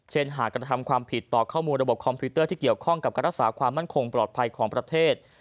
หากกระทำความผิดต่อข้อมูลระบบคอมพิวเตอร์ที่เกี่ยวข้องกับการรักษาความมั่นคงปลอดภัยของประเทศ